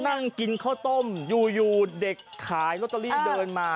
นั่งกินข้าวต้มอยู่เด็กขายลอตเตอรี่เดินมา